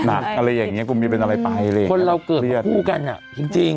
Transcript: อะไรอย่างนี้กูมีเป็นอะไรไปเลยนะเรียบเรียบจริงคนเราเกิดต่อผู้กันอะจริง